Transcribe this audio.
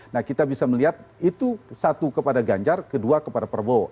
nah kita bisa melihat itu satu kepada ganjar kedua kepada prabowo